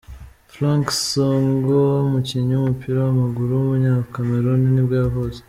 Franck Songo'o, umukinnyi w’umupira w’amaguru w’umunyakameruni nibwo yavutse.